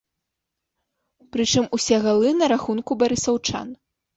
Прычым усе галы на рахунку барысаўчан.